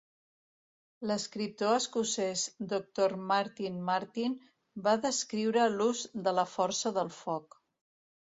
L'escriptor escocès Doctor Martin Martin va descriure l'ús de la força del foc.